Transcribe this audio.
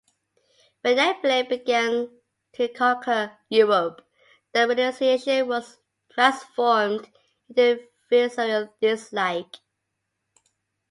When Napoleon began to conquer Europe, this renunciation was transformed into visceral dislike.